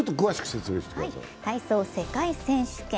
体操世界選手権。